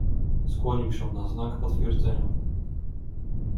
"Skłonił się na znak potwierdzenia."